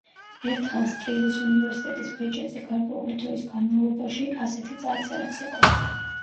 ერთხანს ტრირის უნივერსიტეტის ბეჭედზე გარკვეული დროის განმავლობაში ასეთი წარწერაც იყო.